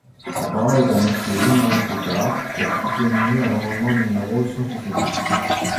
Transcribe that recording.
La parole est à Monsieur Jean-Marie Tetart, pour soutenir l’amendement numéro cent soixante-huit.